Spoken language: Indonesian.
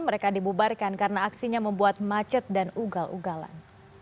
mereka dibubarkan karena aksinya membuat macet dan ugal ugalan